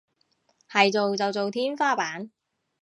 係做就做天花板